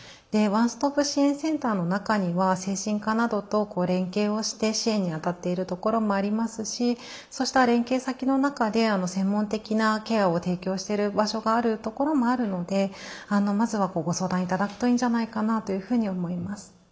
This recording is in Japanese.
ワンストップ支援センターの中には精神科などと連携をして支援に当たっているところもありますしそうした連携先の中で専門的なケアを提供している場所があるところもあるのでまずはご相談頂くといいんじゃないかなというふうに思います。